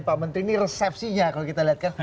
pak menteri ini resepsinya kalau kita lihat kan